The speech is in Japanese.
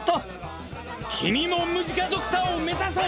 君もムジカドクターを目指そう！